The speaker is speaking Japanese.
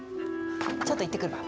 ちょっと行ってくるわ。